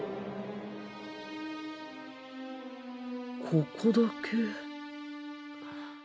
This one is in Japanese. ここだけ